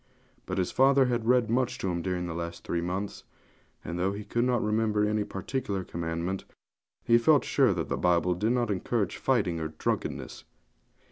But his father had read much to him during the last three months; and though he could not remember any particular commandment, he felt sure that the Bible did not encourage fighting or drunkenness.